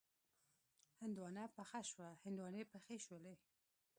هندواڼه پخه شوه، هندواڼې پخې شولې